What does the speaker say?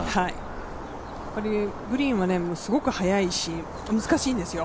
グリーンはすごく速いし難しいんですよ。